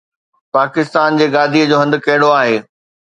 پاڪستان جي گاديءَ جو هنڌ ڪهڙو آهي؟